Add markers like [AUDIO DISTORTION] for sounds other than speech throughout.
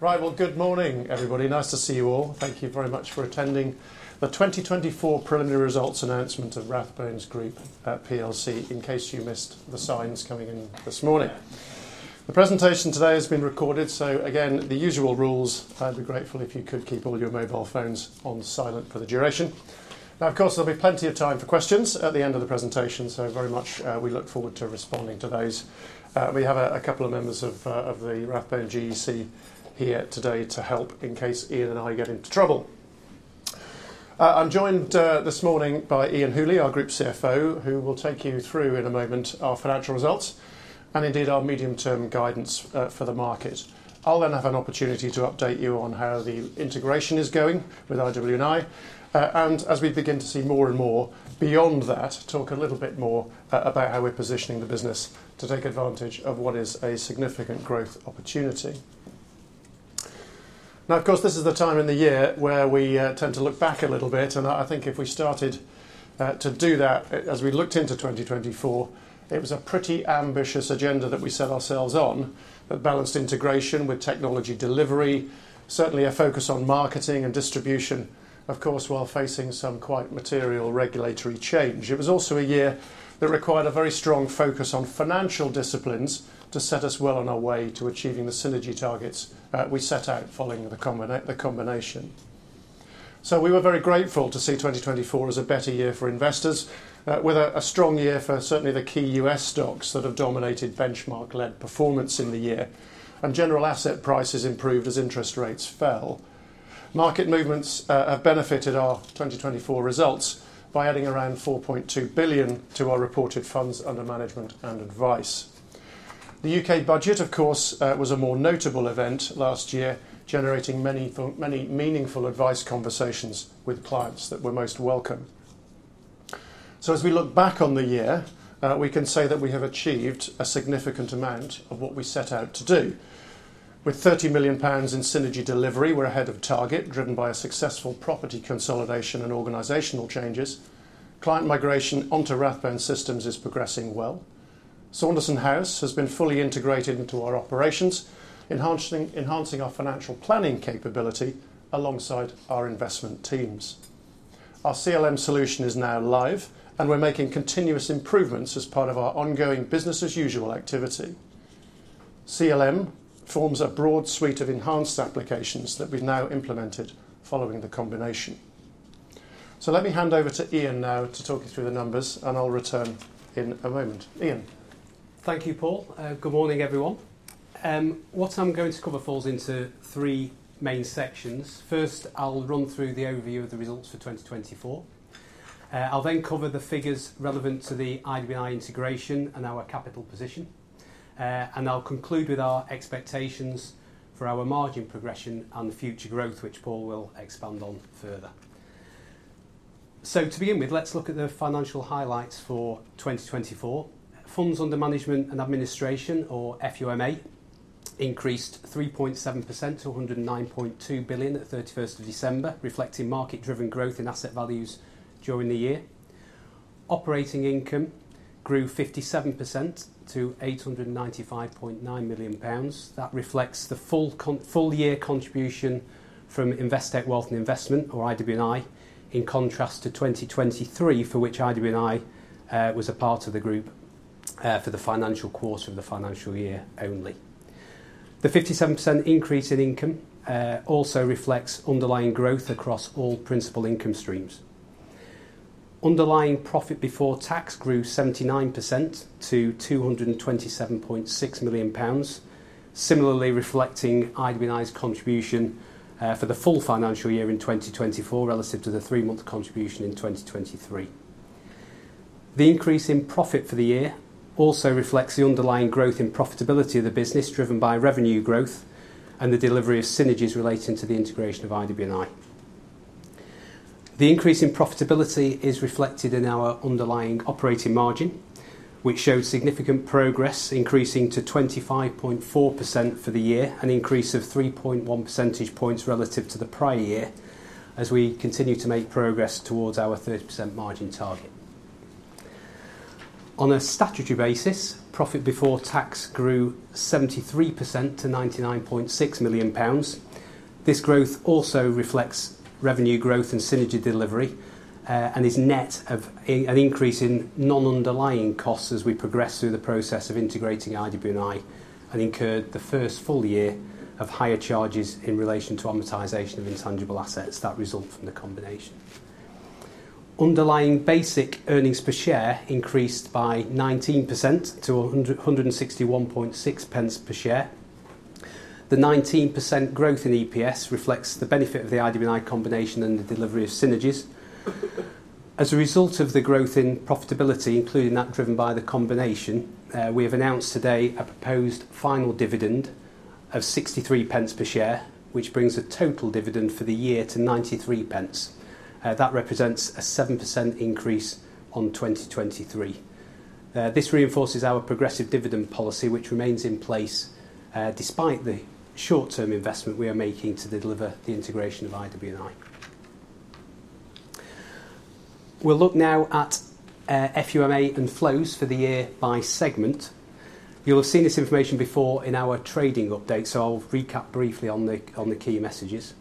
Right, well, good morning, everybody. Nice to see you all. Thank you very much for attending the 2024 Preliminary Results Announcement of Rathbones Group PLC, in case you missed the signs coming in this morning. The presentation today has been recorded, so again, the usual rules: I'd be grateful if you could keep all your mobile phones on silent for the duration. Now, of course, there'll be plenty of time for questions at the end of the presentation, so very much we look forward to responding to those. We have a couple of members of the Rathbones GEC here today to help in case Iain and I get into trouble. I'm joined this morning by Iain Hooley, our Group CFO, who will take you through, in a moment, our financial results and, indeed, our medium-term guidance for the market. I'll then have an opportunity to update you on how the integration is going with IW&I, and as we begin to see more and more beyond that, talk a little bit more about how we're positioning the business to take advantage of what is a significant growth opportunity. Now, of course, this is the time in the year where we tend to look back a little bit, and I think if we started to do that as we looked into 2024, it was a pretty ambitious agenda that we set ourselves on that balanced integration with technology delivery, certainly a focus on marketing and distribution, of course, while facing some quite material regulatory change. It was also a year that required a very strong focus on financial disciplines to set us well on our way to achieving the synergy targets we set out following the combination. We were very grateful to see 2024 as a better year for investors, with a strong year for certainly the key U.S. stocks that have dominated benchmark-led performance in the year, and general asset prices improved as interest rates fell. Market movements have benefited our 2024 results by adding around 4.2 billion to our reported funds under management and advice. The U.K. Budget, of course, was a more notable event last year, generating many meaningful advice conversations with clients that were most welcome. So as we look back on the year, we can say that we have achieved a significant amount of what we set out to do. With 30 million pounds in synergy delivery, we're ahead of target, driven by a successful property consolidation and organizational changes. Client migration onto Rathbones systems is progressing well. Saunderson House has been fully integrated into our operations, enhancing our financial planning capability alongside our investment teams. Our CLM solution is now live, and we're making continuous improvements as part of our ongoing business-as-usual activity. CLM forms a broad suite of enhanced applications that we've now implemented following the combination. So let me hand over to Iain now to talk you through the numbers, and I'll return in a moment. Iain? Thank you, Paul. Good morning, everyone. What I'm going to cover falls into three main sections. First, I'll run through the overview of the results for 2024. I'll then cover the figures relevant to the IW&I integration and our capital position, and I'll conclude with our expectations for our margin progression and the future growth, which Paul will expand on further. So to begin with, let's look at the financial highlights for 2024. Funds under management and administration, or FUMA, increased 3.7% to 109.2 billion at 31 December, reflecting market-driven growth in asset values during the year. Operating income grew 57% to 895.9 million pounds. That reflects the full-year contribution from Investec Wealth and Investment, or IW&I, in contrast to 2023, for which IW&I was a part of the group for the final quarter of the financial year only. The 57% increase in income also reflects underlying growth across all principal income streams. Underlying profit before tax grew 79% to 227.6 million pounds, similarly reflecting IW&I's contribution for the full financial year in 2024 relative to the three-month contribution in 2023. The increase in profit for the year also reflects the underlying growth in profitability of the business, driven by revenue growth and the delivery of synergies relating to the integration of IW&I. The increase in profitability is reflected in our underlying operating margin, which showed significant progress, increasing to 25.4% for the year, an increase of 3.1 percentage points relative to the prior year as we continue to make progress towards our 30% margin target. On a statutory basis, profit before tax grew 73% to 99.6 million pounds. This growth also reflects revenue growth and synergy delivery and is net of an increase in non-underlying costs as we progress through the process of integrating IW&I and incurred the first full year of higher charges in relation to amortization of intangible assets that result from the combination. Underlying basic Earnings Per Share increased by 19% to 1.616 per share. The 19% growth in EPS reflects the benefit of the IW&I combination and the delivery of synergies. As a result of the growth in profitability, including that driven by the combination, we have announced today a proposed final dividend of 0.63 per share, which brings the total dividend for the year to 0.93. That represents a 7% increase on 2023. This reinforces our progressive dividend policy, which remains in place despite the short-term investment we are making to deliver the integration of IW&I. We'll look now at FUMA and flows for the year by segment. You'll have seen this information before in our trading update, so I'll recap briefly on the key messages.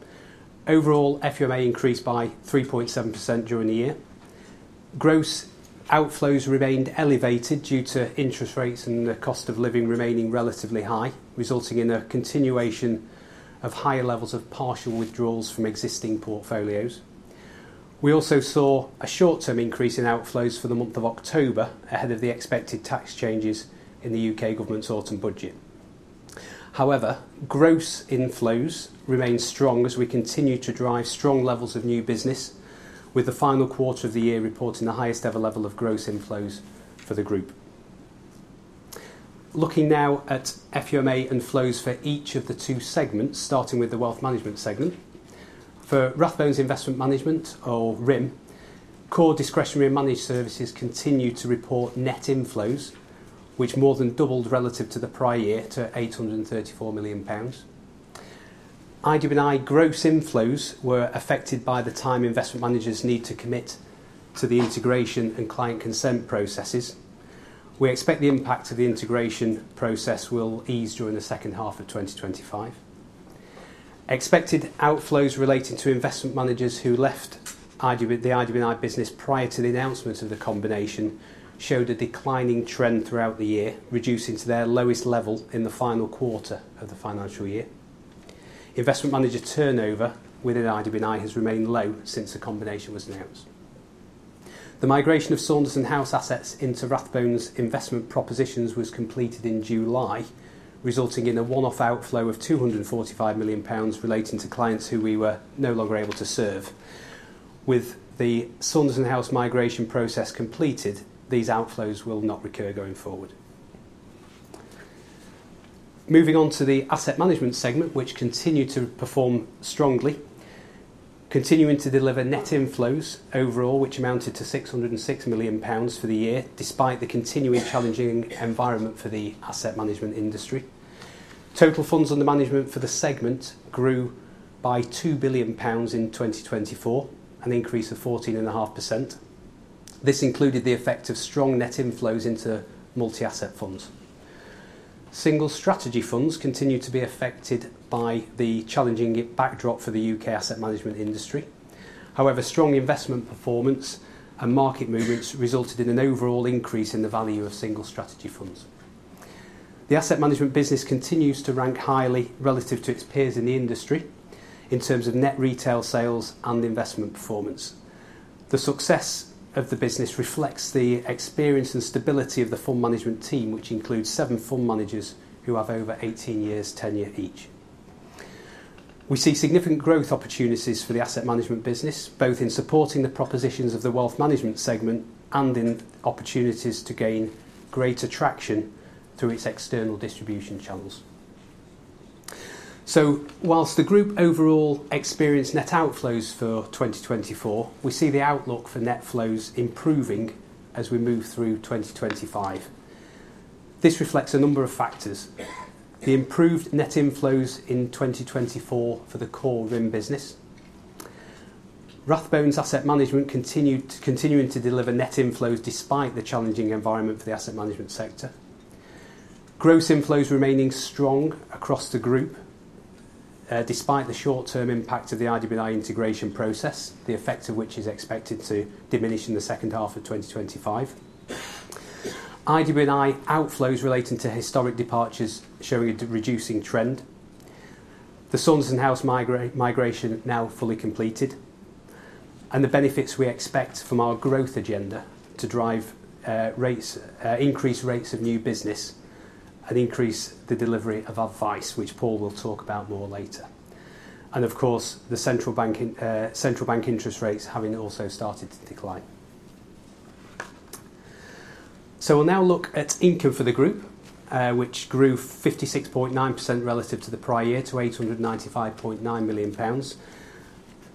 Overall, FUMA increased by 3.7% during the year. Gross outflows remained elevated due to interest rates and the cost of living remaining relatively high, resulting in a continuation of higher levels of partial withdrawals from existing portfolios. We also saw a short-term increase in outflows for the month of October ahead of the expected tax changes in the U.K. government's Autumn Budget. However, gross inflows remain strong as we continue to drive strong levels of new business, with the final quarter of the year reporting the highest ever level of gross inflows for the group. Looking now at FUMA and flows for each of the two segments, starting with the wealth management segment. For Rathbones Investment Management, or RIM, core discretionary and managed services continue to report net inflows, which more than doubled relative to the prior year to 834 million pounds. IW&I gross inflows were affected by the time investment managers need to commit to the integration and client consent processes. We expect the impact of the integration process will ease during the second half of 2025. Expected outflows relating to investment managers who left the IW&I business prior to the announcement of the combination showed a declining trend throughout the year, reducing to their lowest level in the final quarter of the financial year. Investment manager turnover within IW&I has remained low since the combination was announced. The migration of Saunderson House assets into Rathbones investment propositions was completed in July, resulting in a one-off outflow of 245 million pounds relating to clients who we were no longer able to serve. With the Saunderson House migration process completed, these outflows will not recur going forward. Moving on to the asset management segment, which continued to perform strongly, continuing to deliver net inflows overall, which amounted to 606 million pounds for the year, despite the continuing challenging environment for the asset management industry. Total funds under management for the segment grew by 2 billion pounds in 2024, an increase of 14.5%. This included the effect of strong net inflows into multi-asset funds. Single strategy funds continued to be affected by the challenging backdrop for the U.K. asset management industry. However, strong investment performance and market movements resulted in an overall increase in the value of single strategy funds. The asset management business continues to rank highly relative to its peers in the industry in terms of net retail sales and investment performance. The success of the business reflects the experience and stability of the fund management team, which includes seven fund managers who have over 18 years tenure each. We see significant growth opportunities for the asset management business, both in supporting the propositions of the wealth management segment and in opportunities to gain greater traction through its external distribution channels. So while the group overall experienced net outflows for 2024, we see the outlook for net flows improving as we move through 2025. This reflects a number of factors: the improved net inflows in 2024 for the core RIM business, Rathbones Asset Management continuing to deliver net inflows despite the challenging environment for the asset management sector, gross inflows remaining strong across the group despite the short-term impact of the IW&I integration process, the effect of which is expected to diminish in the second half of 2025. IW&I outflows relating to historic departures showing a reducing trend, the Saunderson House migration now fully completed, and the benefits we expect from our growth agenda to increase rates of new business and increase the delivery of advice, which Paul will talk about more later, and of course, the central bank interest rates having also started to decline. So we'll now look at income for the group, which grew 56.9% relative to the prior year to 895.9 million pounds.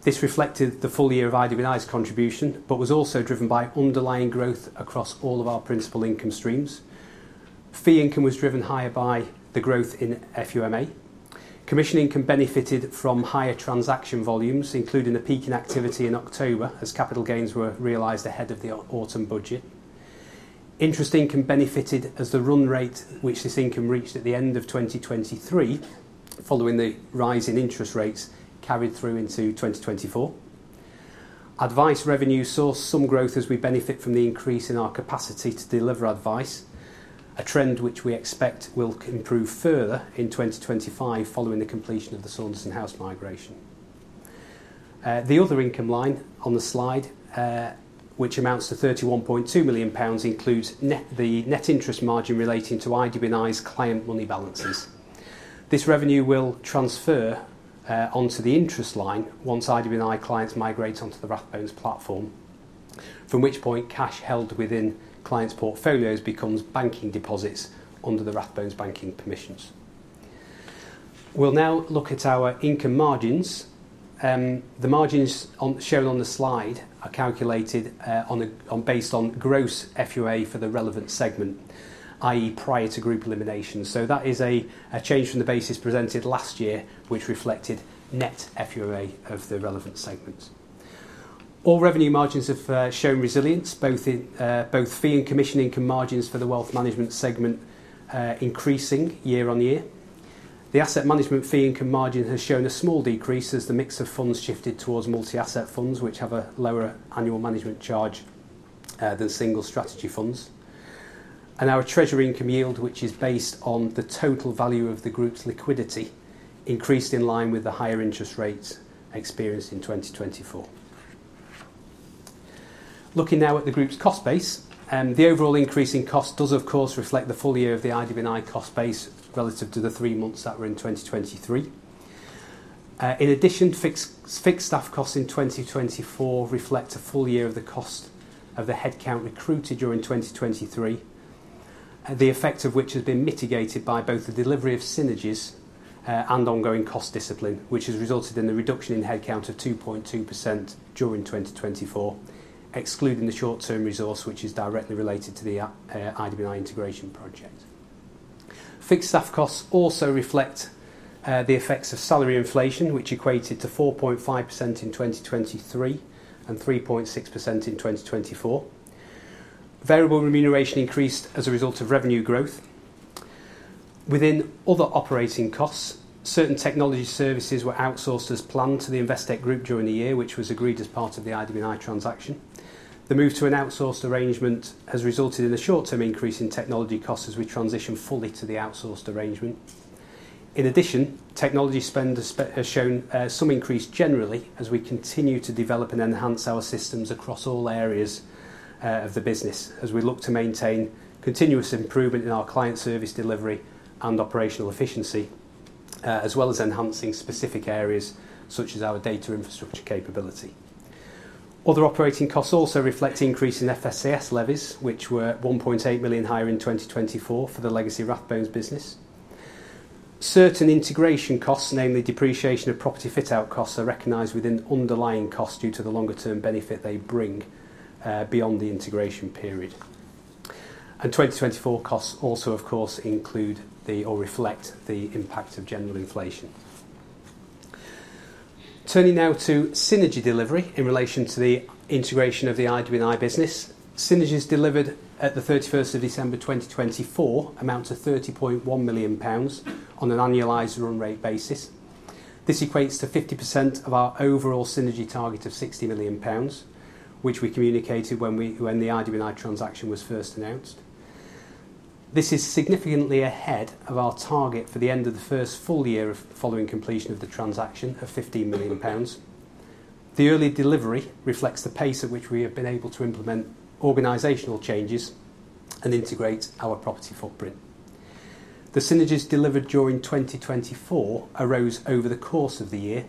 This reflected the full year of IW&I's contribution but was also driven by underlying growth across all of our principal income streams. Fee income was driven higher by the growth in FUMA. Commission income benefited from higher transaction volumes, including a peak in activity in October as capital gains were realized ahead of the Autumn Budget. Interest income benefited as the run rate which this income reached at the end of 2023, following the rise in interest rates carried through into 2024. Advice revenue saw some growth as we benefit from the increase in our capacity to deliver advice, a trend which we expect will improve further in 2025 following the completion of the Saunderson House migration. The other income line on the slide, which amounts to 31.2 million pounds, includes the net interest margin relating to IW&I's client money balances. This revenue will transfer onto the interest line once IW&I clients migrate onto the Rathbones platform, from which point cash held within clients' portfolios becomes banking deposits under the Rathbones banking permissions. We'll now look at our income margins. The margins shown on the slide are calculated based on gross FUA for the relevant segment, i.e., prior to group elimination. So that is a change from the basis presented last year, which reflected net FUA of the relevant segments. All revenue margins have shown resilience, both fee and commission income margins for the wealth management segment increasing year-on-year. The asset management fee income margin has shown a small decrease as the mix of funds shifted towards multi-asset funds, which have a lower annual management charge than single strategy funds, and our treasury income yield, which is based on the total value of the group's liquidity, increased in line with the higher interest rates experienced in 2024. Looking now at the group's cost base, the overall increase in cost does, of course, reflect the full year of the IW&I cost base relative to the three months that were in 2023. In addition, fixed staff costs in 2024 reflect a full year of the cost of the headcount recruited during 2023, the effect of which has been mitigated by both the delivery of synergies and ongoing cost discipline, which has resulted in the reduction in headcount of 2.2% during 2024, excluding the short-term resource which is directly related to the IW&I integration project. Fixed staff costs also reflect the effects of salary inflation, which equated to 4.5% in 2023 and 3.6% in 2024. Variable remuneration increased as a result of revenue growth. Within other operating costs, certain technology services were outsourced as planned to the Investec Group during the year, which was agreed as part of the IW&I transaction. The move to an outsourced arrangement has resulted in a short-term increase in technology costs as we transition fully to the outsourced arrangement. In addition, technology spend has shown some increase generally as we continue to develop and enhance our systems across all areas of the business, as we look to maintain continuous improvement in our client service delivery and operational efficiency, as well as enhancing specific areas such as our data infrastructure capability. Other operating costs also reflect increase in FSCS levies, which were 1.8 million higher in 2024 for the legacy Rathbones business. Certain integration costs, namely depreciation of property fit-out costs, are recognized within underlying costs due to the longer-term benefit they bring beyond the integration period. And 2024 costs also, of course, include or reflect the impact of general inflation. Turning now to synergy delivery in relation to the integration of the IW&I business, synergies delivered at the 31st of December 2024 amount to 30.1 million pounds on an annualized run rate basis. This equates to 50% of our overall synergy target of 60 million pounds, which we communicated when the IW&I transaction was first announced. This is significantly ahead of our target for the end of the first full year following completion of the transaction of 15 million pounds. The early delivery reflects the pace at which we have been able to implement organizational changes and integrate our property footprint. The synergies delivered during 2024 arose over the course of the year,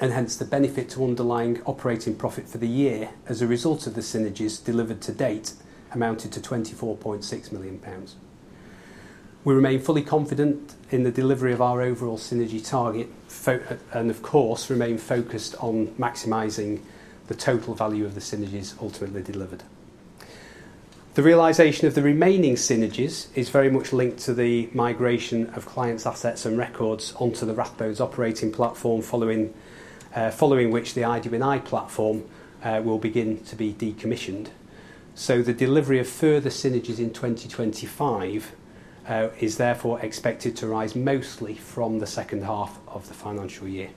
and hence the benefit to underlying operating profit for the year as a result of the synergies delivered to date amounted to 24.6 million pounds. We remain fully confident in the delivery of our overall synergy target and, of course, remain focused on maximizing the total value of the synergies ultimately delivered. The realization of the remaining synergies is very much linked to the migration of clients' assets and records onto the Rathbones operating platform, following which the IW&I platform will begin to be decommissioned. So the delivery of further synergies in 2025 is therefore expected to arise mostly from the second half of the financial year.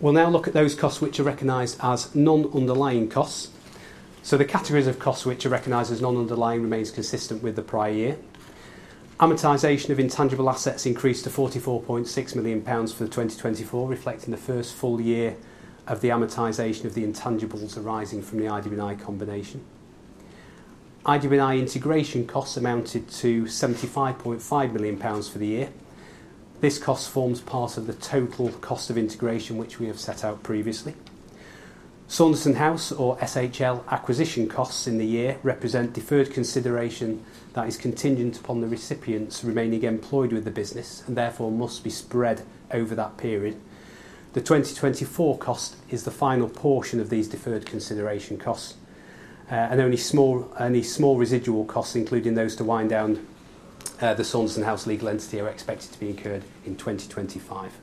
We'll now look at those costs which are recognized as non-underlying costs. So the categories of costs which are recognized as non-underlying remain consistent with the prior year. Amortization of intangible assets increased to GBP 44.6 million for 2024, reflecting the first full year of the amortization of the intangibles arising from the IW&I combination. IW&I integration costs amounted to 75.5 million pounds for the year. This cost forms part of the total cost of integration which we have set out previously. Saunderson House, or SHL, acquisition costs in the year represent deferred consideration that is contingent upon the recipients remaining employed with the business and therefore must be spread over that period. The 2024 cost is the final portion of these deferred consideration costs, and only small residual costs, including those to wind down the Saunderson House legal entity, are expected to be incurred in 2025.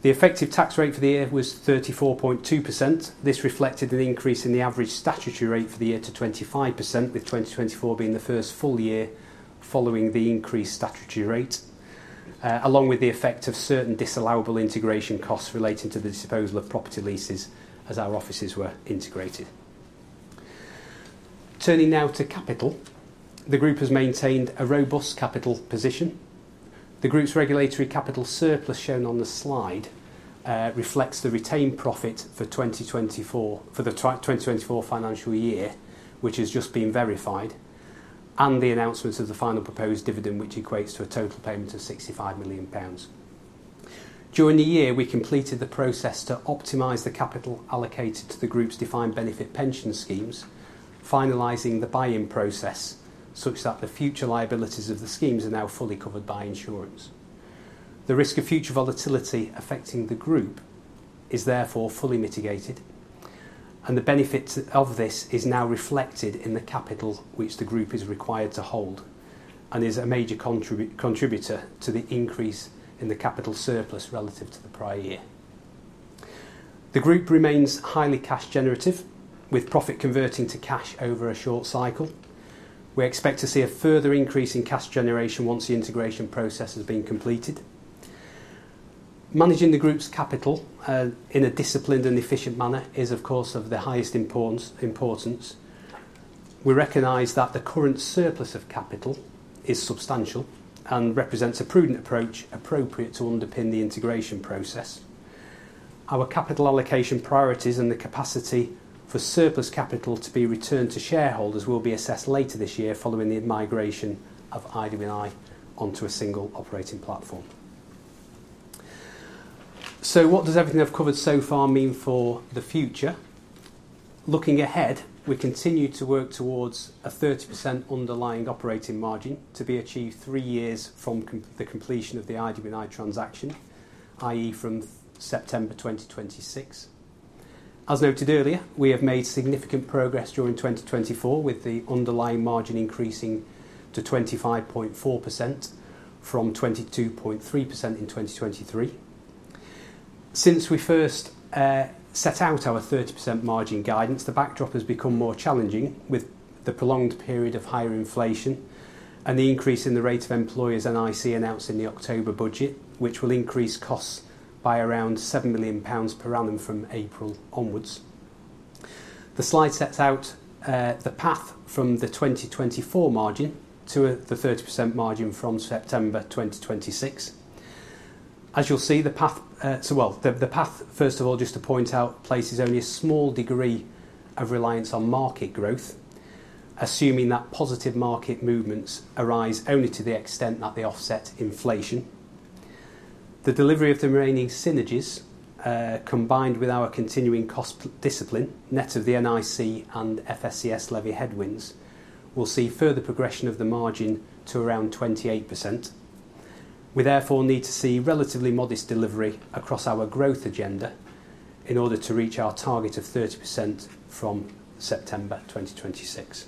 The effective tax rate for the year was 34.2%. This reflected an increase in the average statutory rate for the year to 25%, with 2024 being the first full year following the increased statutory rate, along with the effect of certain disallowable integration costs relating to the disposal of property leases as our offices were integrated. Turning now to capital, the group has maintained a robust capital position. The group's regulatory capital surplus shown on the slide reflects the retained profit for 2024 for the 2024 financial year, which has just been verified, and the announcements of the final proposed dividend, which equates to a total payment of 65 million pounds. During the year, we completed the process to optimize the capital allocated to the group's defined benefit pension schemes, finalizing the buy-in process such that the future liabilities of the schemes are now fully covered by insurance. The risk of future volatility affecting the group is therefore fully mitigated, and the benefit of this is now reflected in the capital which the group is required to hold and is a major contributor to the increase in the capital surplus relative to the prior year. The group remains highly cash generative, with profit converting to cash over a short cycle. We expect to see a further increase in cash generation once the integration process has been completed. Managing the group's capital in a disciplined and efficient manner is, of course, of the highest importance. We recognize that the current surplus of capital is substantial and represents a prudent approach appropriate to underpin the integration process. Our capital allocation priorities and the capacity for surplus capital to be returned to shareholders will be assessed later this year following the migration of IW&I onto a single operating platform. So what does everything I've covered so far mean for the future? Looking ahead, we continue to work towards a 30% underlying operating margin to be achieved three years from the completion of the IW&I transaction, i.e., from September 2026. As noted earlier, we have made significant progress during 2024 with the underlying margin increasing to 25.4% from 22.3% in 2023. Since we first set out our 30% margin guidance, the backdrop has become more challenging with the prolonged period of higher inflation and the increase in the rate of employers' NIC announced in the October Budget, which will increase costs by around 7 million pounds per annum from April onwards. The slide sets out the path from the 2024 margin to the 30% margin from September 2026. As you'll see, the path, first of all, just to point out, places only a small degree of reliance on market growth, assuming that positive market movements arise only to the extent that they offset inflation. The delivery of the remaining synergies, combined with our continuing cost discipline, net of the NIC and FSCS levy headwinds, will see further progression of the margin to around 28%. We therefore need to see relatively modest delivery across our growth agenda in order to reach our target of 30% from September 2026.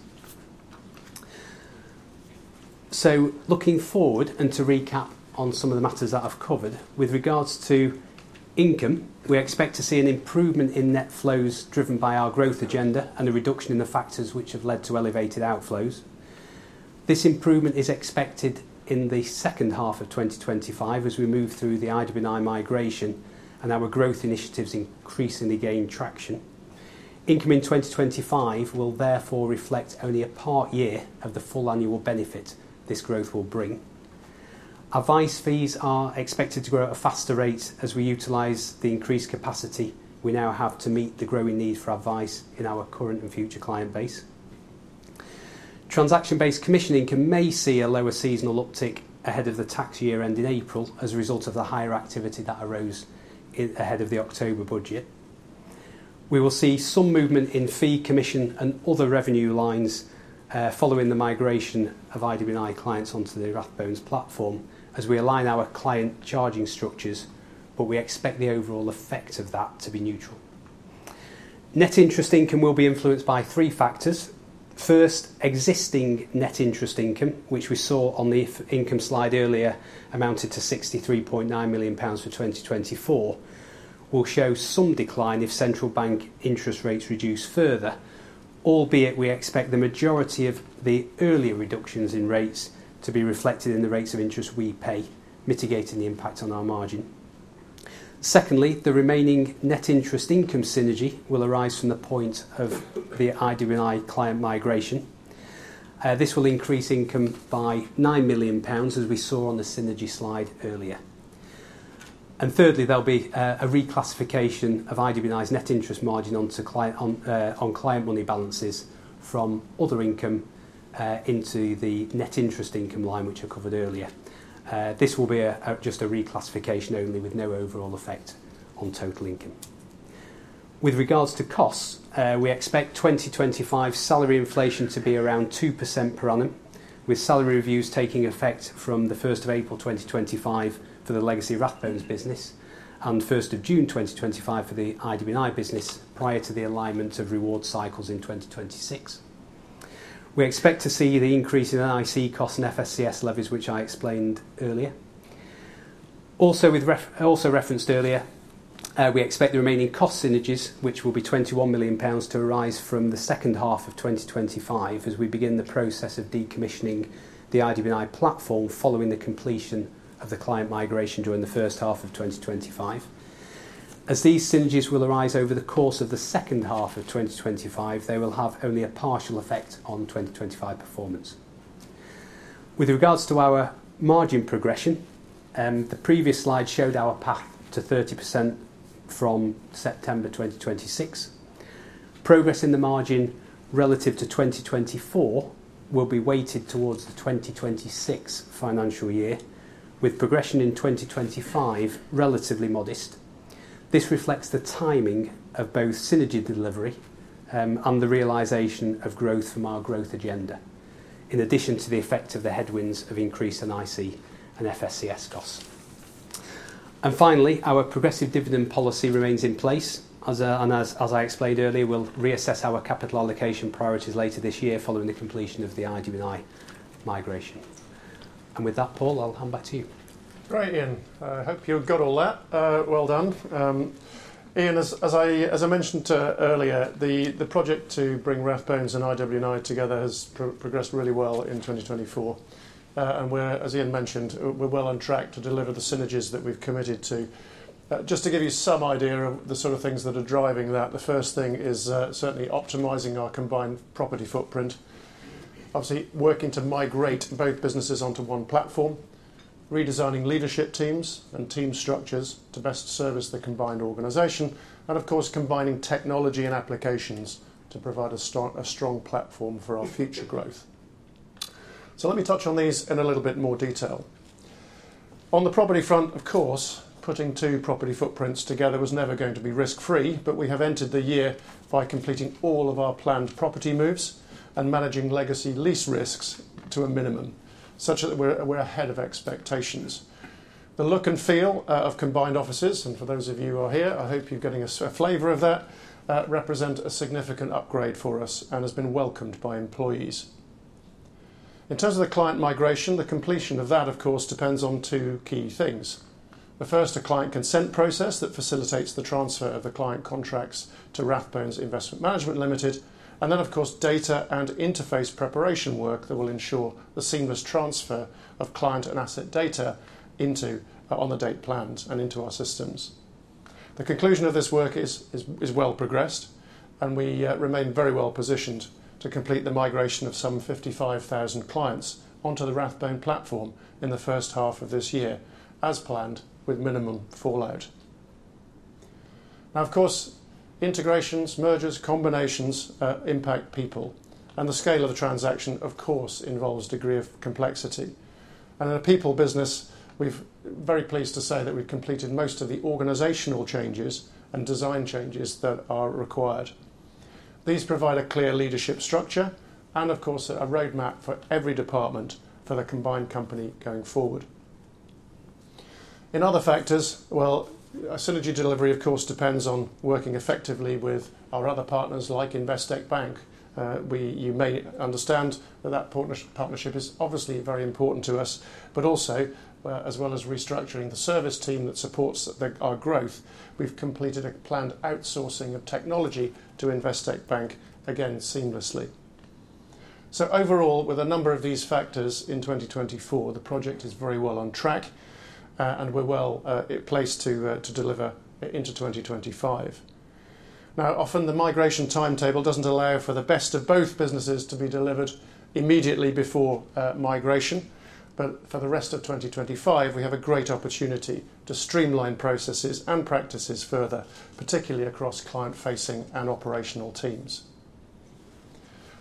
So looking forward and to recap on some of the matters that I've covered, with regards to income, we expect to see an improvement in net flows driven by our growth agenda and a reduction in the factors which have led to elevated outflows. This improvement is expected in the second half of 2025 as we move through the IW&I migration and our growth initiatives increasingly gain traction. Income in 2025 will therefore reflect only a part year of the full annual benefit this growth will bring. Advice fees are expected to grow at a faster rate as we utilize the increased capacity we now have to meet the growing need for advice in our current and future client base. Transaction-based commission income may see a lower seasonal uptick ahead of the tax year end in April as a result of the higher activity that arose ahead of the October Budget. We will see some movement in fee, commission, and other revenue lines following the migration of IW&I clients onto the Rathbones platform as we align our client charging structures, but we expect the overall effect of that to be neutral. Net interest income will be influenced by three factors. First, existing net interest income, which we saw on the income slide earlier, amounted to 63.9 million pounds for 2024, will show some decline if central bank interest rates reduce further, albeit we expect the majority of the earlier reductions in rates to be reflected in the rates of interest we pay, mitigating the impact on our margin. Secondly, the remaining net interest income synergy will arise from the point of the IW&I client migration. This will increase income by 9 million pounds as we saw on the synergy slide earlier. Thirdly, there'll be a reclassification of IW&I's net interest margin on client money balances from other income into the net interest income line which I covered earlier. This will be just a reclassification only with no overall effect on total income. With regards to costs, we expect 2025 salary inflation to be around 2% per annum, with salary reviews taking effect from the 1st of April 2025 for the legacy Rathbones business and 1st of June 2025 for the IW&I business prior to the alignment of reward cycles in 2026. We expect to see the increase in NIC costs and FSCS levies, which I explained earlier. Also referenced earlier, we expect the remaining cost synergies, which will be 21 million pounds, to arise from the second half of 2025 as we begin the process of decommissioning the IW&I platform following the completion of the client migration during the first half of 2025. As these synergies will arise over the course of the second half of 2025, they will have only a partial effect on 2025 performance. With regards to our margin progression, the previous slide showed our path to 30% from September 2026. Progress in the margin relative to 2024 will be weighted towards the 2026 financial year, with progression in 2025 relatively modest. This reflects the timing of both synergy delivery and the realization of growth from our growth agenda, in addition to the effect of the headwinds of increased NIC and FSCS costs, and finally, our progressive dividend policy remains in place. As I explained earlier, we'll reassess our capital allocation priorities later this year following the completion of the IW&I migration. And with that, Paul, I'll hand back to you. Great, Iain. I hope you've got all that well done. Iain, as I mentioned earlier, the project to bring Rathbones and IW&I together has progressed really well in 2024. And as Iain mentioned, we're well on track to deliver the synergies that we've committed to. Just to give you some idea of the sort of things that are driving that, the first thing is certainly optimizing our combined property footprint, obviously working to migrate both businesses onto one platform, redesigning leadership teams and team structures to best service the combined organization, and of course, combining technology and applications to provide a strong platform for our future growth. So let me touch on these in a little bit more detail. On the property front, of course, putting two property footprints together was never going to be risk-free, but we have entered the year by completing all of our planned property moves and managing legacy lease risks to a minimum such that we're ahead of expectations. The look and feel of combined offices, and for those of you who are here, I hope you're getting a flavor of that, represent a significant upgrade for us and has been welcomed by employees. In terms of the client migration, the completion of that, of course, depends on two key things. The first, a client consent process that facilitates the transfer of the client contracts to Rathbones Investment Management Limited, and then, of course, data and interface preparation work that will ensure the seamless transfer of client and asset data on the date planned and into our systems. The conclusion of this work is well progressed, and we remain very well positioned to complete the migration of some 55,000 clients onto the Rathbones platform in the first half of this year as planned with minimum fallout. Now, of course, integrations, mergers, combinations impact people, and the scale of the transaction, of course, involves a degree of complexity. And in a people business, we're very pleased to say that we've completed most of the organizational changes and design changes that are required. These provide a clear leadership structure and, of course, a roadmap for every department for the combined company going forward. In other factors, well, synergy delivery, of course, depends on working effectively with our other partners like Investec Bank. You may understand that that partnership is obviously very important to us, but also, as well as restructuring the service team that supports our growth, we've completed a planned outsourcing of technology to Investec Bank, again, seamlessly. So overall, with a number of these factors in 2024, the project is very well on track, and we're well placed to deliver into 2025. Now, often, the migration timetable doesn't allow for the best of both businesses to be delivered immediately before migration, but for the rest of 2025, we have a great opportunity to streamline processes and practices further, particularly across client-facing and operational teams.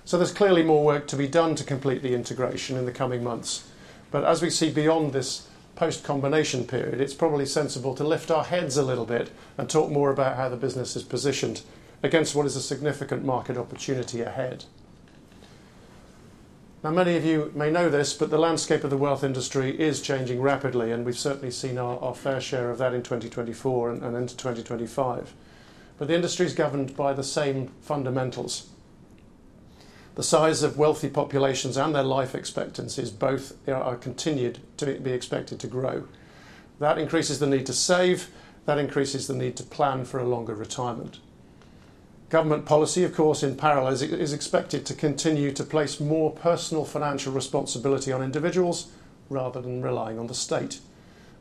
So there's clearly more work to be done to complete the integration in the coming months, but as we see beyond this post-combination period, it's probably sensible to lift our heads a little bit and talk more about how the business is positioned against what is a significant market opportunity ahead. Now, many of you may know this, but the landscape of the wealth industry is changing rapidly, and we've certainly seen our fair share of that in 2024 and into 2025. But the industry is governed by the same fundamentals. The size of wealthy populations and their life expectancies both are continued to be expected to grow. That increases the need to save. That increases the need to plan for a longer retirement. Government policy, of course, in parallel, is expected to continue to place more personal financial responsibility on individuals rather than relying on the state.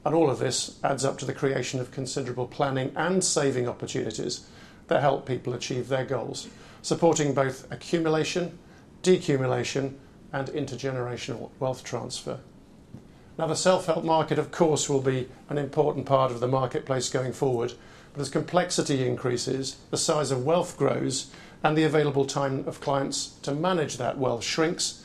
And all of this adds up to the creation of considerable planning and saving opportunities that help people achieve their goals, supporting both accumulation, decumulation, and intergenerational wealth transfer. Now, the self-help market, of course, will be an important part of the marketplace going forward, but as complexity increases, the size of wealth grows, and the available time of clients to manage that wealth shrinks,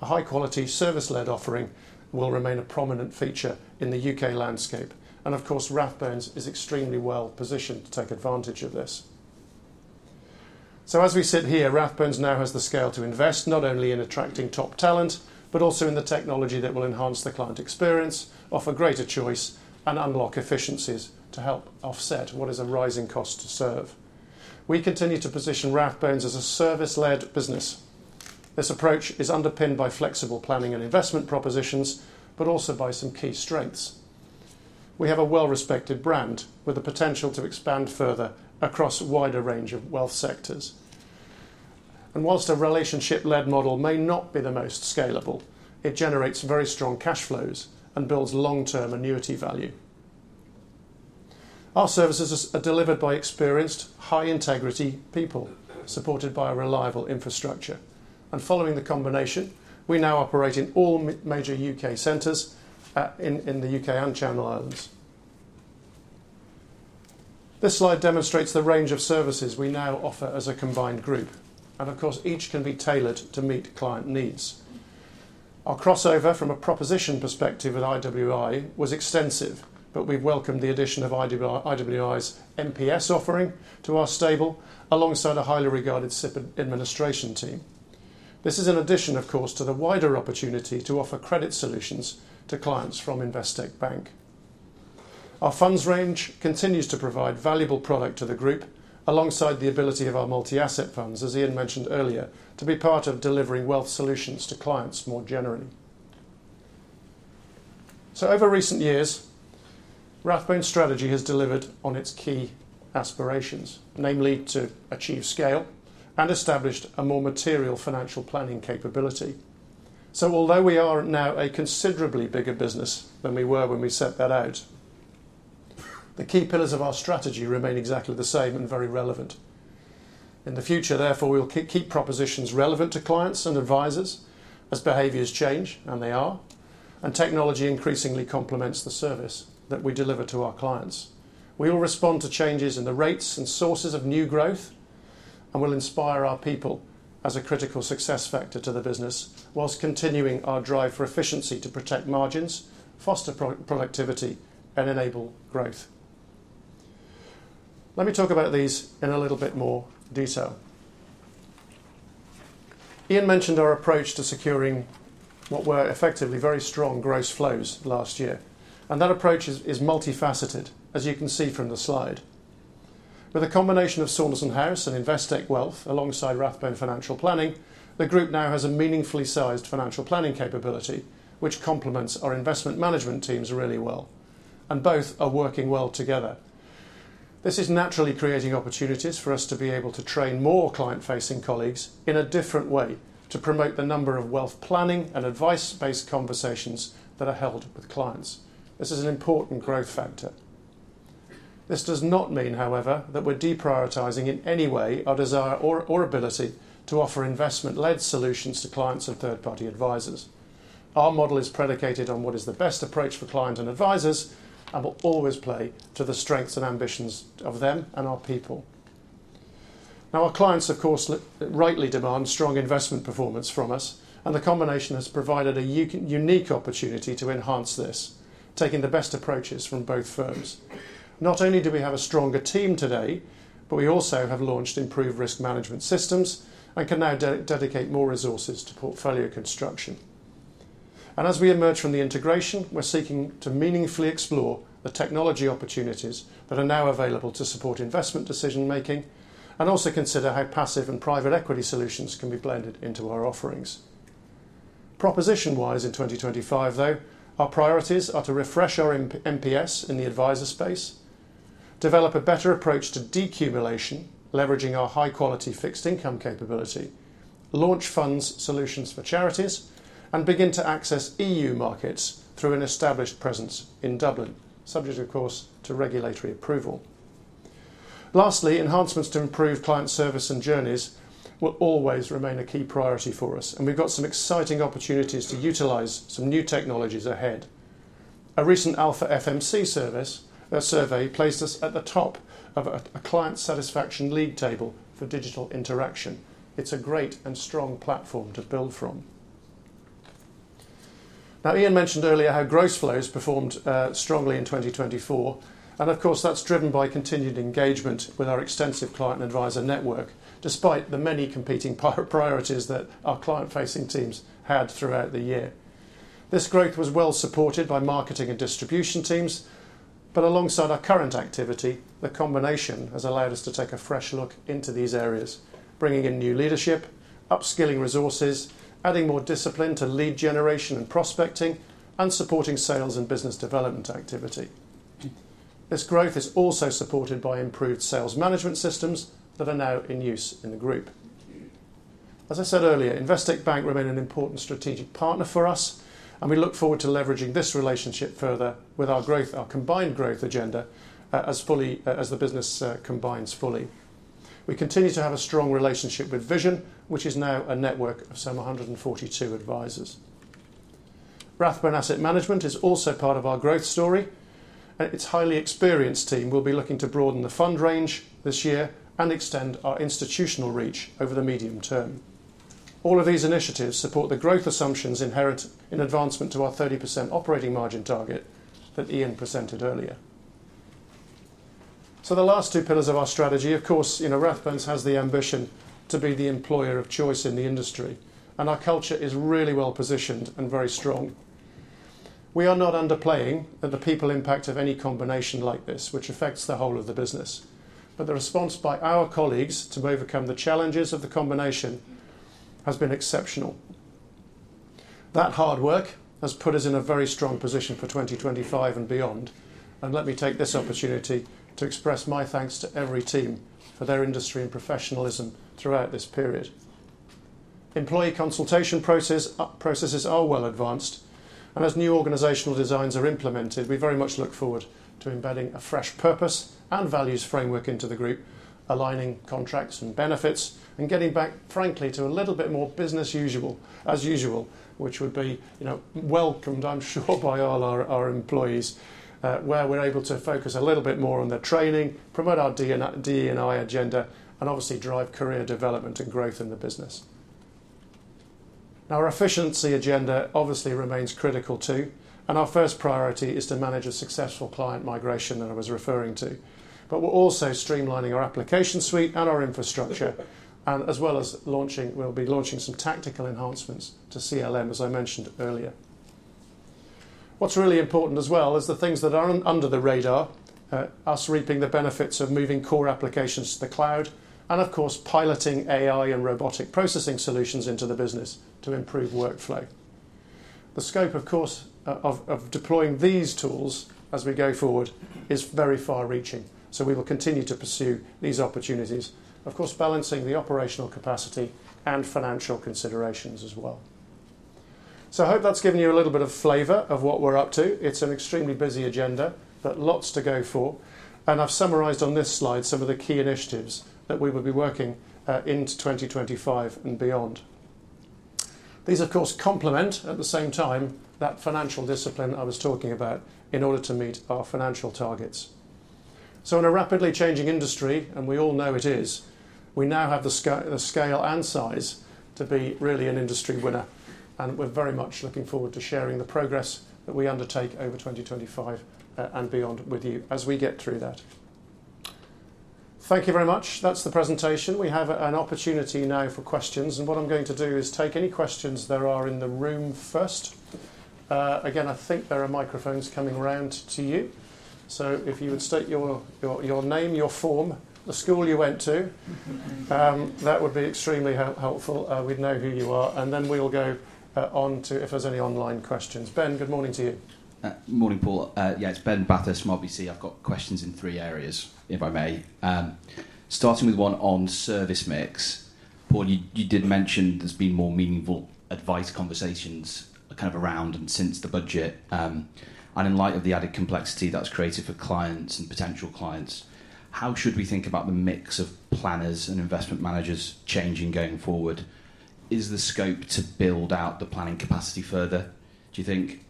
a high-quality service-led offering will remain a prominent feature in the U.K. landscape. And of course, Rathbones is extremely well positioned to take advantage of this. So as we sit here, Rathbones now has the scale to invest not only in attracting top talent, but also in the technology that will enhance the client experience, offer greater choice, and unlock efficiencies to help offset what is a rising cost to serve. We continue to position Rathbones as a service-led business. This approach is underpinned by flexible planning and investment propositions, but also by some key strengths. We have a well-respected brand with the potential to expand further across a wider range of wealth sectors. While a relationship-led model may not be the most scalable, it generates very strong cash flows and builds long-term annuity value. Our services are delivered by experienced, high-integrity people supported by a reliable infrastructure. Following the combination, we now operate in all major U.K. centers in the U.K. and Channel Islands. This slide demonstrates the range of services we now offer as a combined group, and of course, each can be tailored to meet client needs. Our crossover from a proposition perspective at IW&I was extensive, but we've welcomed the addition of IW&I's MPS offering to our stable alongside a highly regarded SIP administration team. This is in addition, of course, to the wider opportunity to offer credit solutions to clients from Investec Bank. Our funds range continues to provide valuable product to the group alongside the ability of our multi-asset funds, as Iain mentioned earlier, to be part of delivering wealth solutions to clients more generally, so over recent years, Rathbones strategy has delivered on its key aspirations, namely to achieve scale and established a more material financial planning capability. Although we are now a considerably bigger business than we were when we set that out, the key pillars of our strategy remain exactly the same and very relevant. In the future, therefore, we'll keep propositions relevant to clients and advisors as behaviors change, and they are, and technology increasingly complements the service that we deliver to our clients. We will respond to changes in the rates and sources of new growth and will inspire our people as a critical success factor to the business whilst continuing our drive for efficiency to protect margins, foster productivity, and enable growth. Let me talk about these in a little bit more detail. Iain mentioned our approach to securing what were effectively very strong gross flows last year, and that approach is multifaceted, as you can see from the slide. With a combination of Saunderson House and Investec Wealth alongside Rathbones Financial Planning, the group now has a meaningfully sized financial planning capability which complements our investment management teams really well, and both are working well together. This is naturally creating opportunities for us to be able to train more client-facing colleagues in a different way to promote the number of wealth planning and advice-based conversations that are held with clients. This is an important growth factor. This does not mean, however, that we're deprioritizing in any way our desire or ability to offer investment-led solutions to clients and third-party advisors. Our model is predicated on what is the best approach for clients and advisors and will always play to the strengths and ambitions of them and our people. Now, our clients, of course, rightly demand strong investment performance from us, and the combination has provided a unique opportunity to enhance this, taking the best approaches from both firms. Not only do we have a stronger team today, but we also have launched improved risk management systems and can now dedicate more resources to portfolio construction. And as we emerge from the integration, we're seeking to meaningfully explore the technology opportunities that are now available to support investment decision-making and also consider how passive and private equity solutions can be blended into our offerings. Proposition-wise, in 2025, though, our priorities are to refresh our MPS in the advisor space, develop a better approach to decumulation, leveraging our high-quality fixed income capability, launch funds solutions for charities, and begin to access EU markets through an established presence in Dublin, subject, of course, to regulatory approval. Lastly, enhancements to improve client service and journeys will always remain a key priority for us, and we've got some exciting opportunities to utilize some new technologies ahead. A recent Alpha FMC survey placed us at the top of a client satisfaction league table for digital interaction. It's a great and strong platform to build from. Now, Iain mentioned earlier how gross flows performed strongly in 2024, and of course, that's driven by continued engagement with our extensive client and advisor network, despite the many competing priorities that our client-facing teams had throughout the year. This growth was well supported by marketing and distribution teams, but alongside our current activity, the combination has allowed us to take a fresh look into these areas, bringing in new leadership, upskilling resources, adding more discipline to lead generation and prospecting, and supporting sales and business development activity. This growth is also supported by improved sales management systems that are now in use in the group. As I said earlier, Investec Bank remains an important strategic partner for us, and we look forward to leveraging this relationship further with our combined growth agenda as the business combines fully. We continue to have a strong relationship with Vision, which is now a network of some 142 advisors. Rathbones Asset Management is also part of our growth story, and its highly experienced team will be looking to broaden the fund range this year and extend our institutional reach over the medium term. All of these initiatives support the growth assumptions inherent in advancement to our 30% operating margin target that Iain presented earlier, so the last two pillars of our strategy, of course, Rathbones has the ambition to be the employer of choice in the industry, and our culture is really well positioned and very strong. We are not underplaying the people impact of any combination like this, which affects the whole of the business, but the response by our colleagues to overcome the challenges of the combination has been exceptional. That hard work has put us in a very strong position for 2025 and beyond, and let me take this opportunity to express my thanks to every team for their industry and professionalism throughout this period. Employee consultation processes are well advanced, and as new organizational designs are implemented, we very much look forward to embedding a fresh purpose and values framework into the group, aligning contracts and benefits, and getting back, frankly, to a little bit more business as usual, which would be welcomed, I'm sure, by all our employees, where we're able to focus a little bit more on the training, promote our DE&I agenda, and obviously drive career development and growth in the business. Our efficiency agenda obviously remains critical too, and our first priority is to manage a successful client migration that I was referring to, but we're also streamlining our application suite and our infrastructure, as well as launching some tactical enhancements to CLM, as I mentioned earlier. What's really important as well is the things that are under the radar, us reaping the benefits of moving core applications to the cloud, and of course, piloting AI and robotic processing solutions into the business to improve workflow. The scope, of course, of deploying these tools as we go forward is very far-reaching, so we will continue to pursue these opportunities, of course, balancing the operational capacity and financial considerations as well. So I hope that's given you a little bit of flavor of what we're up to. It's an extremely busy agenda, but lots to go for, and I've summarized on this slide some of the key initiatives that we will be working into 2025 and beyond. These, of course, complement at the same time that financial discipline I was talking about in order to meet our financial targets. So in a rapidly changing industry, and we all know it is, we now have the scale and size to be really an industry winner, and we're very much looking forward to sharing the progress that we undertake over 2025 and beyond with you as we get through that. Thank you very much. That's the presentation. We have an opportunity now for questions, and what I'm going to do is take any questions there are in the room first. Again, I think there are microphones coming round to you, so if you would state your name, your form, the school you went to, that would be extremely helpful. We'd know who you are, and then we'll go on to if there's any online questions. Ben, good morning to you. Good morning, Paul. Yeah, it's Ben Bathurst from RBC. I've got questions in three areas, if I may. Starting with one on service mix. Paul, you did mention there's been more meaningful advice conversations kind of around and since the Budget, and in light of the added complexity that's created for clients and potential clients, how should we think about the mix of planners and investment managers changing going forward? Is the scope to build out the planning capacity further, do you think?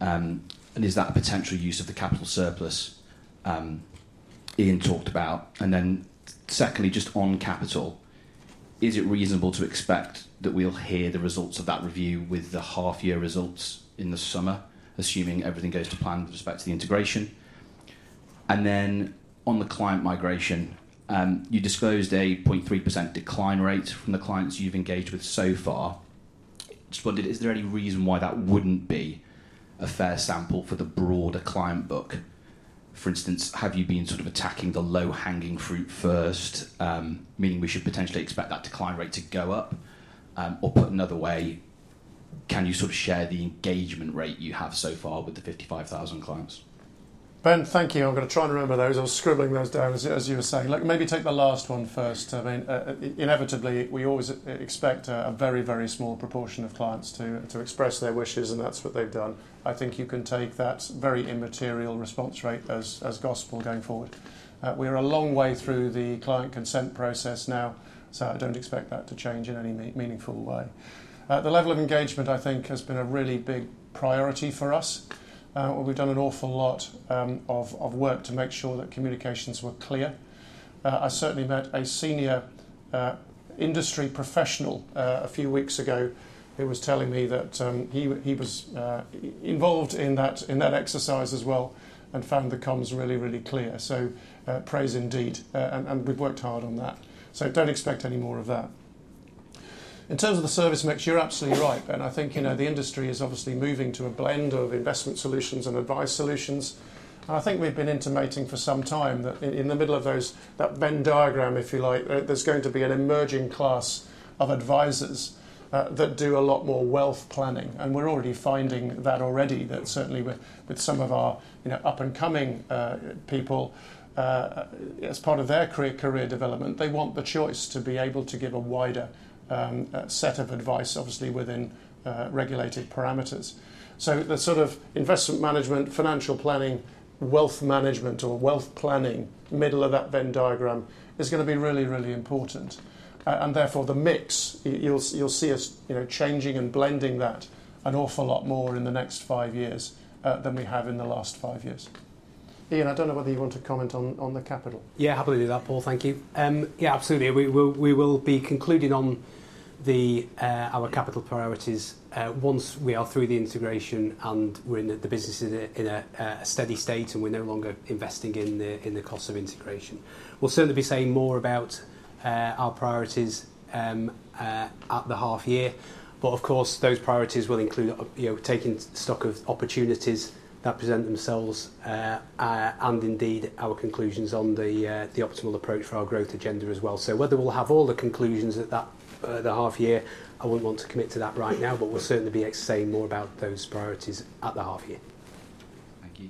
And is that a potential use of the capital surplus, Iain talked about? And then secondly, just on capital, is it reasonable to expect that we'll hear the results of that review with the half-year results in the summer, assuming everything goes to plan with respect to the integration? And then on the client migration, you disclosed a 0.3% decline rate from the clients you've engaged with so far. Just wondered, is there any reason why that wouldn't be a fair sample for the broader client book? For instance, have you been sort of attacking the low-hanging fruit first, meaning we should potentially expect that decline rate to go up? Or put another way, can you sort of share the engagement rate you have so far with the 55,000 clients? Ben, thank you. I'm going to try and remember those. I was scribbling those down as you were saying. Maybe take the last one first. I mean, inevitably, we always expect a very, very small proportion of clients to express their wishes, and that's what they've done. I think you can take that very immaterial response rate as gospel going forward. We are a long way through the client consent process now, so I don't expect that to change in any meaningful way. The level of engagement, I think, has been a really big priority for us. We've done an awful lot of work to make sure that communications were clear. I certainly met a senior industry professional a few weeks ago who was telling me that he was involved in that exercise as well and found the comms really, really clear. So praise indeed, and we've worked hard on that. So don't expect any more of that. In terms of the service mix, you're absolutely right, Ben. I think the industry is obviously moving to a blend of investment solutions and advice solutions, and I think we've been intimating for some time that in the middle of that Venn diagram, if you like, there's going to be an emerging class of advisors that do a lot more wealth planning, and we're already finding that certainly with some of our up-and-coming people, as part of their career development, they want the choice to be able to give a wider set of advice, obviously within regulated parameters. So the sort of investment management, financial planning, wealth management, or wealth planning middle of that Venn diagram is going to be really, really important, and therefore the mix, you'll see us changing and blending that an awful lot more in the next five years than we have in the last five years. Iain, I don't know whether you want to comment on the capital. Yeah, happily do that, Paul. Thank you. Yeah, absolutely. We will be concluding on our capital priorities once we are through the integration and we're in the business in a steady state and we're no longer investing in the cost of integration. We'll certainly be saying more about our priorities at the half-year, but of course, those priorities will include taking stock of opportunities that present themselves and indeed our conclusions on the optimal approach for our growth agenda as well. So whether we'll have all the conclusions at the half-year, I wouldn't want to commit to that right now, but we'll certainly be saying more about those priorities at the half-year. Thank you.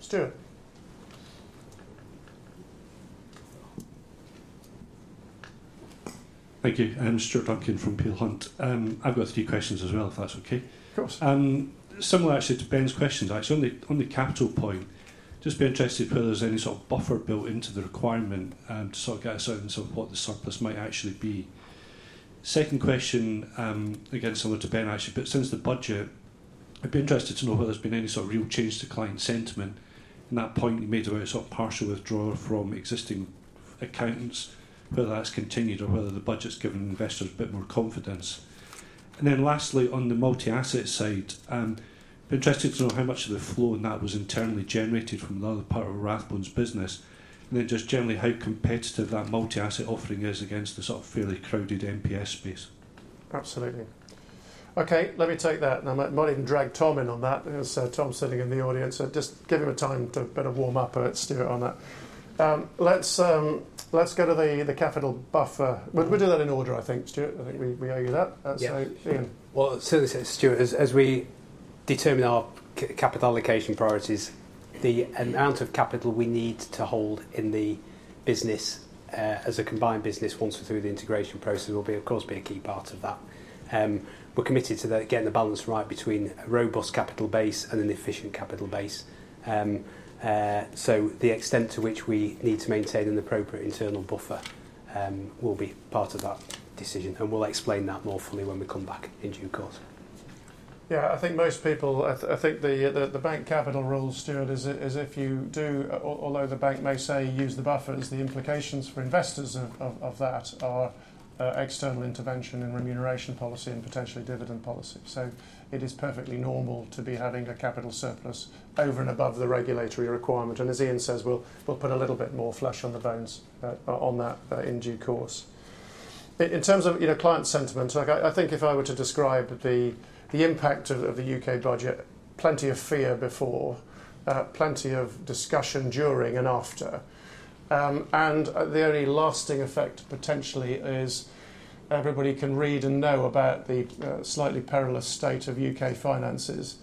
Stuart. Thank you. I'm Stuart Duncan from Peel Hunt, and I've got a few questions as well, if that's okay. Of course. Similar, actually, to Ben's questions, actually, on the capital point, just be interested whether there's any sort of buffer built into the requirement to sort of get a sense of what the surplus might actually be. Second question, again, similar to Ben, actually, but since the Budget, I'd be interested to know whether there's been any sort of real change to client sentiment in that point you made about sort of partial withdrawal from existing accounts, whether that's continued or whether the Budget's given investors a bit more confidence. And then lastly, on the multi-asset side, I'd be interested to know how much of the flow in that was internally generated from another part of Rathbones' business, and then just generally how competitive that multi-asset offering is against the sort of fairly crowded MPS space. Absolutely. Okay, let me take that, and I might even drag Tom in on that. There's Tom sitting in the audience. Just give him a time to better warm up, Stuart, on that. Let's go to the capital buffer. We'll do that in order, I think, Stuart. I think we agreed that. So, Iain. Well, certainly, Stuart, as we determine our capital allocation priorities, the amount of capital we need to hold in the business as a combined business once we're through the integration process will, of course, be a key part of that. We're committed to getting the balance right between a robust capital base and an efficient capital base, so the extent to which we need to maintain an appropriate internal buffer will be part of that decision, and we'll explain that more fully when we come back in due course. Yeah, I think most people, I think the bank capital rule, Stuart, is if you do, although the bank may say use the buffers, the implications for investors of that are external intervention and remuneration policy and potentially dividend policy. So it is perfectly normal to be having a capital surplus over and above the regulatory requirement, and as Iain says, we'll put a little bit more flesh on the bones on that in due course. In terms of client sentiment, I think if I were to describe the impact of the U.K. Budget, plenty of fear before, plenty of discussion during and after, and the only lasting effect potentially is everybody can read and know about the slightly perilous state of U.K. finances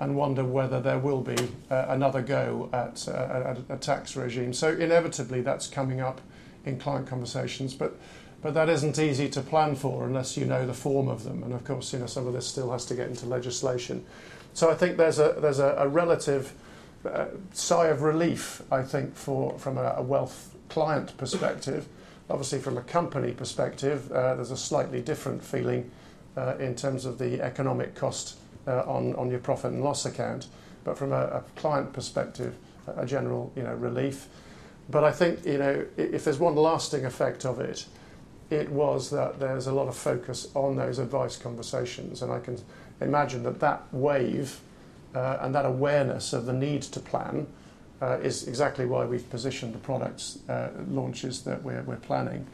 and wonder whether there will be another go at a tax regime. So inevitably, that's coming up in client conversations, but that isn't easy to plan for unless you know the form of them, and of course, some of this still has to get into legislation. So I think there's a relative sigh of relief, I think, from a wealth client perspective. Obviously, from a company perspective, there's a slightly different feeling in terms of the economic cost on your profit and loss account, but from a client perspective, a general relief. But I think if there's one lasting effect of it, it was that there's a lot of focus on those advice conversations, and I can imagine that that wave and that awareness of the need to plan is exactly why we've positioned the product launches that we're planning,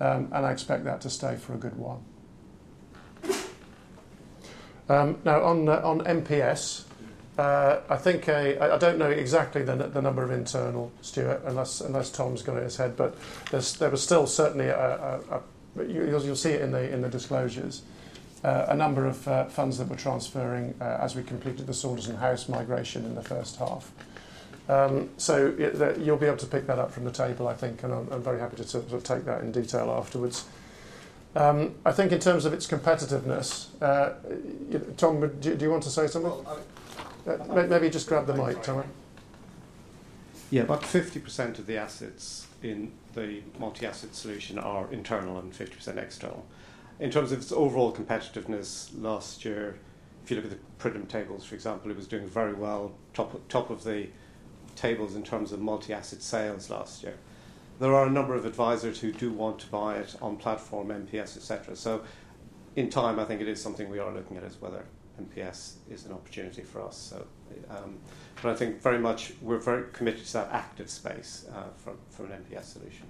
and I expect that to stay for a good while. Now, on MPS, I think I don't know exactly the number of internal, Stuart, unless Tom's got it in his head, but there was still certainly, you'll see it in the disclosures, a number of funds that were transferring as we completed the Saunderson House migration in the first half. So you'll be able to pick that up from the table, I think, and I'm very happy to take that in detail afterwards. I think in terms of its competitiveness, Tom, do you want to say something? Maybe just grab the mic, Tom. Yeah, about 50% of the assets in the multi-asset solution are internal and 50% external. In terms of its overall competitiveness last year, if you look at the printed tables, for example, it was doing very well, top of the tables in terms of multi-asset sales last year. There are a number of advisors who do want to buy it on platform MPS, etc. So in time, I think it is something we are looking at as whether MPS is an opportunity for us. But I think very much we're very committed to that active space from an MPS solution.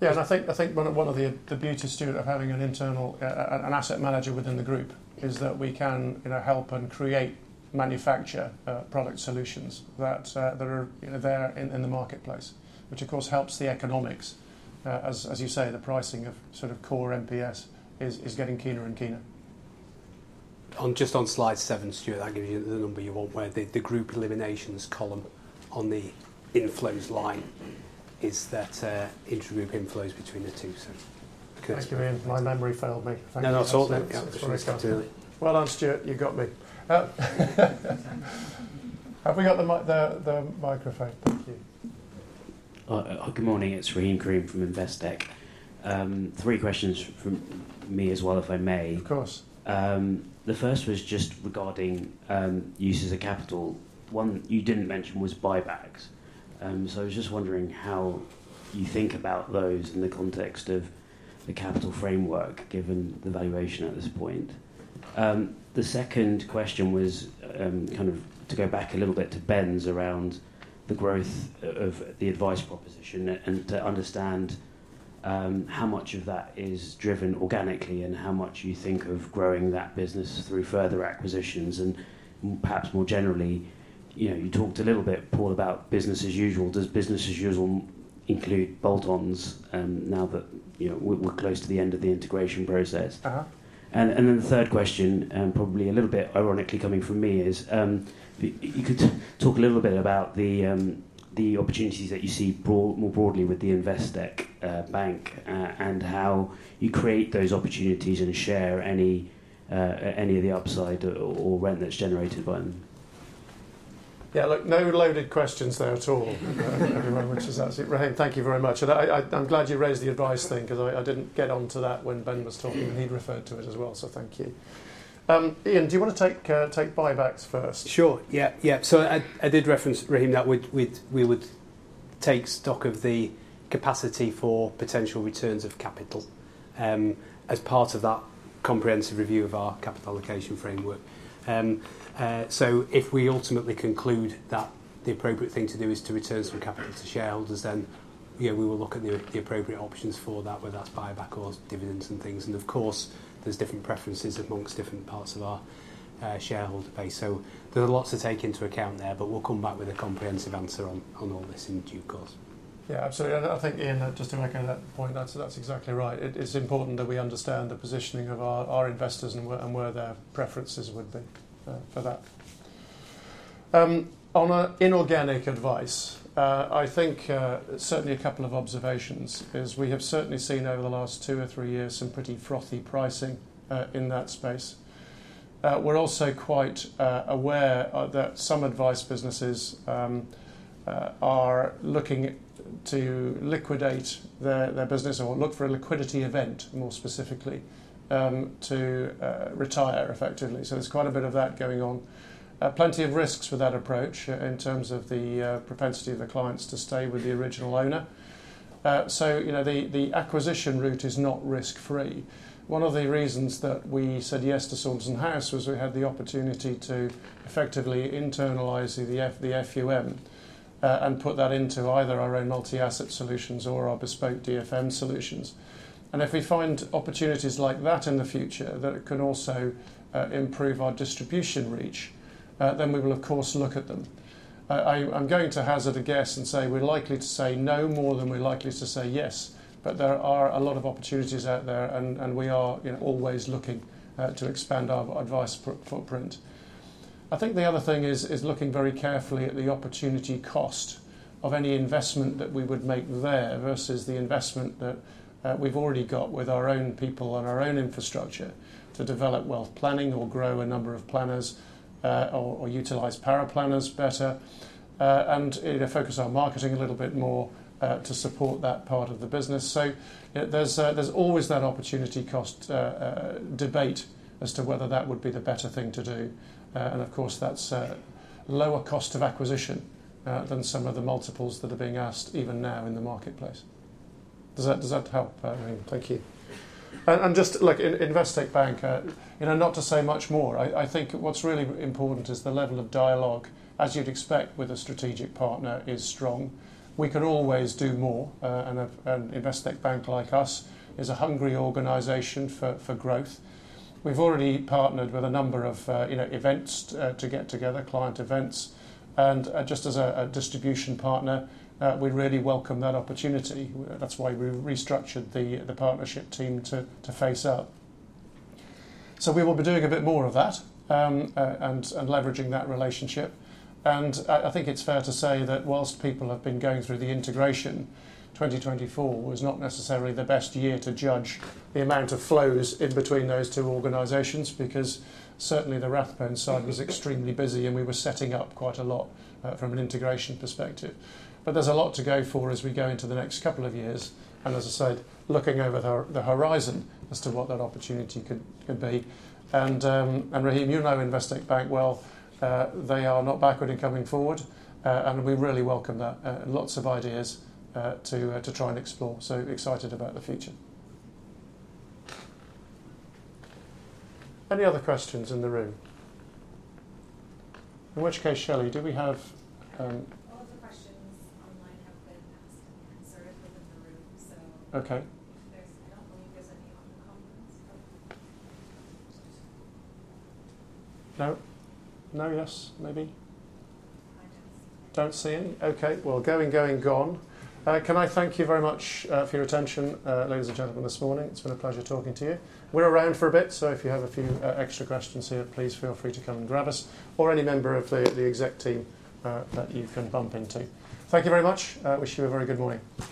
Yeah, and I think one of the beauties, Stuart, of having an asset manager within the group is that we can help and create, manufacture product solutions that are there in the marketplace, which of course helps the economics, as you say, the pricing of sort of core MPS is getting keener and keener. Just on slide 7, Stuart, I'll give you the number you want, where the group eliminations column on the inflows line is that intergroup inflows between the two, so. Thank you, Iain. My memory failed me. [CROSSTALK] No, not at all. Sorry about that. Well done, Stuart, you got me. Have we got the microphone? Thank you. Good morning, it's Rahim Karim from Investec. Three questions from me as well, if I may. Of course. The first was just regarding uses of capital. One you didn't mention was buybacks, so I was just wondering how you think about those in the context of the capital framework given the valuation at this point. The second question was kind of to go back a little bit to Ben's around the growth of the advice proposition and to understand how much of that is driven organically and how much you think of growing that business through further acquisitions. And perhaps more generally, you talked a little bit, Paul, about business as usual. Does business as usual include bolt-ons now that we're close to the end of the integration process? And then the third question, probably a little bit ironically coming from me, is you could talk a little bit about the opportunities that you see more broadly with the Investec Bank and how you create those opportunities and share any of the upside or return that's generated by them. Yeah, look, no loaded questions there at all, everyone, which is absolutely brilliant. Thank you very much. And I'm glad you raised the advice thing because I didn't get on to that when Ben was talking, and he'd referred to it as well, so thank you. Iain, do you want to take buybacks first? Sure. Yeah, yeah. So I did reference, Rahim, that we would take stock of the capacity for potential returns of capital as part of that comprehensive review of our capital allocation framework. So if we ultimately conclude that the appropriate thing to do is to return some capital to shareholders, then we will look at the appropriate options for that, whether that's buyback or dividends and things. And of course, there's different preferences among different parts of our shareholder base. So there's lots to take into account there, but we'll come back with a comprehensive answer on all this in due course. Yeah, absolutely. I think, Iain, just to make a point, that's exactly right. It's important that we understand the positioning of our investors and where their preferences would be for that. On inorganic advice, I think certainly a couple of observations is we have certainly seen over the last two or three years some pretty frothy pricing in that space. We're also quite aware that some advice businesses are looking to liquidate their business or look for a liquidity event, more specifically, to retire effectively. So there's quite a bit of that going on. Plenty of risks with that approach in terms of the propensity of the clients to stay with the original owner. So the acquisition route is not risk-free. One of the reasons that we said yes to Saunderson House was we had the opportunity to effectively internalise the FUM and put that into either our own multi-asset solutions or our bespoke DFM solutions. And if we find opportunities like that in the future that can also improve our distribution reach, then we will, of course, look at them. I'm going to hazard a guess and say we're likely to say no more than we're likely to say yes, but there are a lot of opportunities out there, and we are always looking to expand our advice footprint. I think the other thing is looking very carefully at the opportunity cost of any investment that we would make there versus the investment that we've already got with our own people and our own infrastructure to develop wealth planning or grow a number of planners or utilize our planners better and focus our marketing a little bit more to support that part of the business. So there's always that opportunity cost debate as to whether that would be the better thing to do. And of course, that's lower cost of acquisition than some of the multiples that are being asked even now in the marketplace. Does that help? Thank you. Just look, Investec Bank, not to say much more. I think what's really important is the level of dialogue, as you'd expect with a strategic partner, is strong. We can always do more, and Investec Bank, like us, is a hungry organization for growth. We've already partnered with a number of events to get together, client events, and just as a distribution partner, we really welcome that opportunity. That's why we restructured the partnership team to face up. So we will be doing a bit more of that and leveraging that relationship. I think it's fair to say that while people have been going through the integration, 2024 was not necessarily the best year to judge the amount of flows in between those two organizations because certainly the Rathbones side was extremely busy, and we were setting up quite a lot from an integration perspective. But there's a lot to go for as we go into the next couple of years, and as I said, looking over the horizon as to what that opportunity could be. And Rahim, you know Investec Bank well, they are not backward and coming forward, and we really welcome that. Lots of ideas to try and explore. So excited about the future. Any other questions in the room? In which case, Shelly, do we have? [AUDIO DISTORTION] All the questions online have been asked and answered within the room, so I don't believe there's any on the conference. No? No? Yes? Maybe? I don't see any. Don't see any? Okay. Well, going, going, gone. Can I thank you very much for your attention, ladies and gentlemen, this morning? It's been a pleasure talking to you. We're around for a bit, so if you have a few extra questions here, please feel free to come and grab us, or any member of the exec team that you can bump into. Thank you very much. I wish you a very good morning.